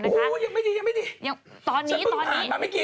โอ้ยยังไม่ดียังไม่ดี